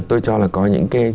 tôi cho là có những cái